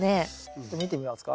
ちょっと見てみますか？